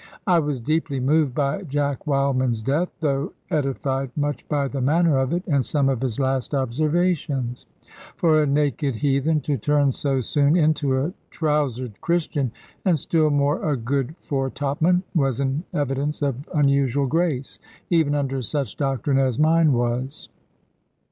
I was deeply moved by Jack Wildman's death, though edified much by the manner of it, and some of his last observations. For a naked heathen to turn so soon into a trousered Christian, and still more a good fore top man, was an evidence of unusual grace, even under such doctrine as mine was.